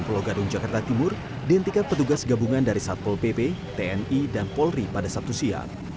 pulau gadung jakarta timur dihentikan petugas gabungan dari satpol pp tni dan polri pada sabtu siang